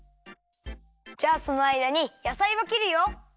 じゃあそのあいだにやさいをきるよ。